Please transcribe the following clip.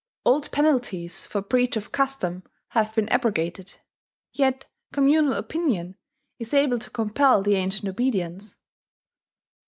Old penalties for breach of custom have been abrogated; yet communal opinion is able to compel the ancient obedience.